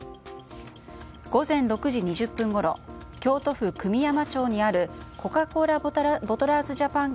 午前６時２０分ごろ京都府久御山町にあるコカ・コーラボトラーズジャパン